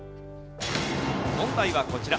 問題はこちら。